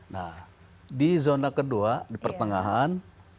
nah di zona kedua di pertengahan